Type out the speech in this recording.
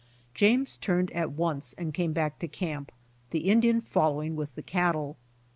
James turned at once and came back to camp, the Indian following with the cattle.